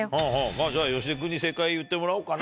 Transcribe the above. じゃあ芳根君に正解言ってもらおうかな。